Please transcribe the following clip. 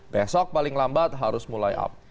besok paling lambat harus mulai up